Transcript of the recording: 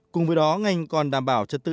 cùng với đó ngành còn đảm bảo chất lượng